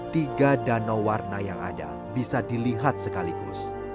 tiga danau warna yang ada bisa dilihat sekaligus